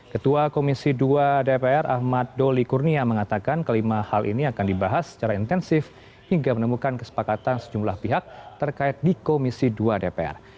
ketua komisi dua dpr ahmad doli kurnia mengatakan kelima hal ini akan dibahas secara intensif hingga menemukan kesepakatan sejumlah pihak terkait di komisi dua dpr